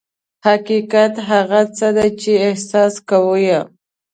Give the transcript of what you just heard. حقیقت هغه څه دي چې احساس کوو یې.